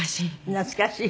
懐かしい？